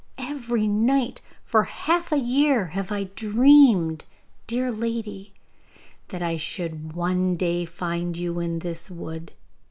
Every night, for half a year, have I dreamed, dear lady, that I should one day find you in this wood.